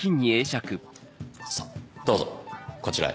さぁどうぞこちらへ。